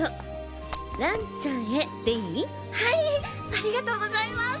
ありがとうございます！